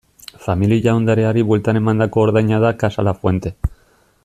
Familia ondareari bueltan emandako ordaina da Casa Lafuente.